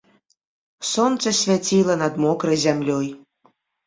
Сонца свяціла над мокрай зямлёй.